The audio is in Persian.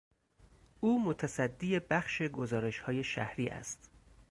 او متصدی بخش گزارشهای شهری است.